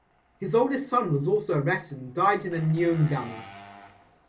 His oldest son was also arrested and died in Neuengamme.